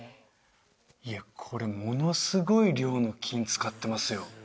いやこれものすごい量の金使ってますよ